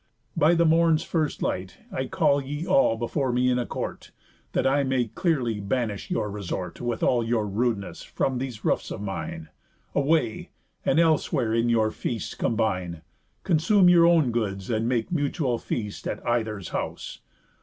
By the morn's first light, I'll call ye all before me in a Court, That I may clearly banish your resort, With all your rudeness, from these roofs of mine. Away; and elsewhere in your feasts combine. Consume your own goods, and make mutual feast At either's house.